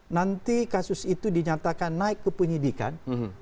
nanti kasus itu dinyatakan naik ke penyidikan